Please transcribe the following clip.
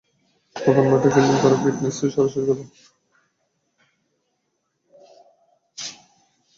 তখন মাঠে ফিল্ডিং করা পিটারসেন সরাসরি কথা বলছিলেন টেলিভিশন ধারাভাষ্যকারদের সঙ্গে।